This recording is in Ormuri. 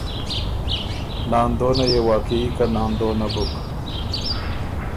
ناندونه يې واقعي که ناندونه بُک،